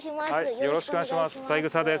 よろしくお願いします。